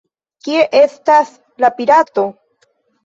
Kie estas la pirato?